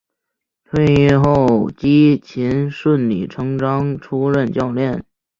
退役后基瑾顺理成章出任教练。